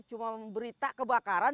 cuma berita kebakaran